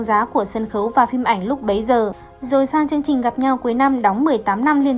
giá của sân khấu và phim ảnh lúc bấy giờ rồi sang chương trình gặp nhau cuối năm đóng một mươi tám năm liên